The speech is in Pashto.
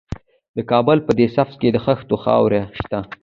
د کابل په ده سبز کې د خښتو خاوره شته.